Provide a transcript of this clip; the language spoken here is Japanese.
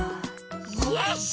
よし！